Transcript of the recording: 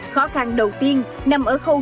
khó khăn đầu tiên nằm ở khâu